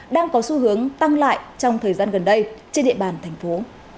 đang có xu hướng tăng lại trong thời gian gần đây trên địa bàn thành phố